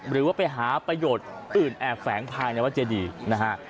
หรือว่าไปหาประโยชน์อื่นแอบแฝงภายในวัดเจดีนะฮะ